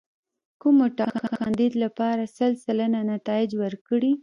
کومو ټاکنو د کوم کاندید لپاره سل سلنه نتایج ورکړي.